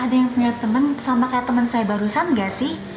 ada yang terlihat sama kayak temen saya barusan gak sih